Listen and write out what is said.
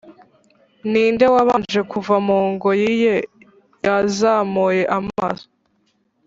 ninde wabanje kuva mu ngoyi ye yazamuye amaso?